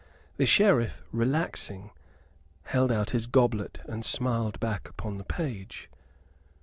The Sheriff, relaxing, held out his goblet, and smiled back upon the page.